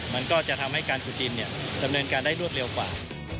มันก็จะทำให้การจุดดินดำเนินการได้รวดเร็วกว่า